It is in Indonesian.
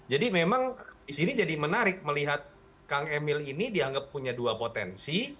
jadi memang disini jadi menarik melihat kang emil ini dianggap punya dua potensi